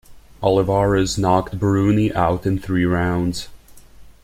Olivares knocked Burruni out in three rounds.